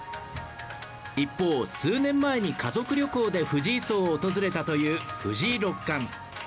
一方、数年前に家族旅行で藤井荘を訪れたという藤井六冠。